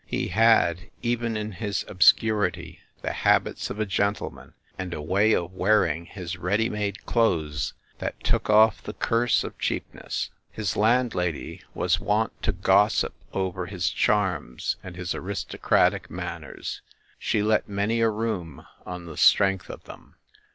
He had, even in his obscurity, the habits of a gen tleman and a way of wearing his ready made clothes that took off the curse of cheapness. His landlady was wont to gossip over his charms and his aristocratic manners. She let many a room on the strength of them.